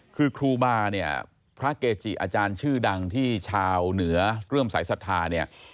คือครูมาเนี่ยพระเกจิอาจารย์ชื่อดังที่ชาวเหนือเริ่มสายศรัทธาเนี่ย